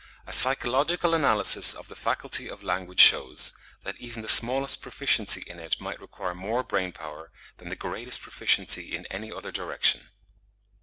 "a psychological analysis of the faculty of language shews, that even the smallest proficiency in it might require more brain power than the greatest proficiency in any other direction."